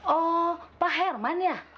oh pak herman ya